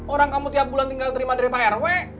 orang kamu tiap bulan tinggal terima dari prw